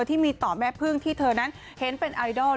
ที่มีต่อแม่พึ่งที่เธอนั้นเห็นเป็นไอดอล